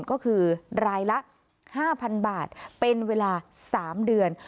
ก็คือรายละ๕๐๐๐บาทเป็นเวลา๓เดือน